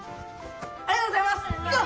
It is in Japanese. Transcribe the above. ありがとうございます！